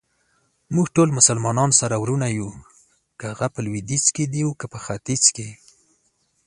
موږټول مسلمانان سره وروڼه يو ،که هغه په لويديځ کې دي اوکه په ختیځ.